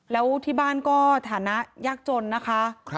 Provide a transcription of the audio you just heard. แล้วที่บ้านก็ฐานะยากจนนะคะ